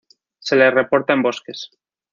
Se le reporta en bosques.